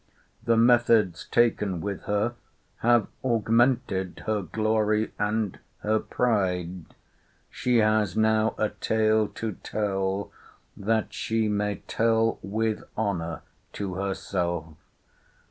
The methods taken with her have augmented her glory and her pride. She has now a tale to tell, that she may tell with honour to herself.